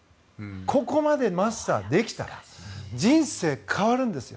ここまでマスターできたら人生、変わるんですよ。